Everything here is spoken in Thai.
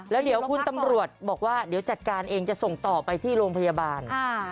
แล้วเดี๋ยวคุณตำรวจบอกว่าเดี๋ยวจัดการเองจะส่งต่อไปที่โรงพยาบาล